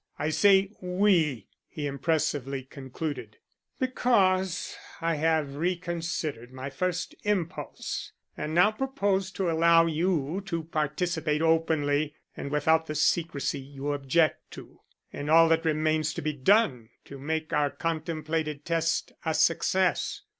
I say we," he impressively concluded, "because I have reconsidered my first impulse and now propose to allow you to participate openly, and without the secrecy you object to, in all that remains to be done to make our contemplated test a success.